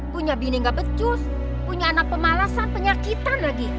punya bini nggak becus punya anak pemalasan penyakitan lagi